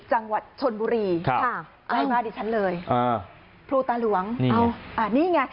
จังหวัดชนบุหรี่ค่ะพูดมาดิฉันเลยอ่าโปรตลวงอ่านี่ไง